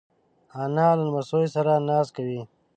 انا له لمسیو سره ناز کوي